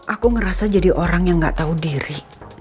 aku ngerasa jadi orang yang gak tahu diri